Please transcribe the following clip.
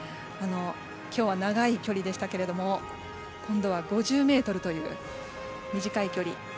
きょうは長い距離でしたけど今度は５０ｍという短い距離。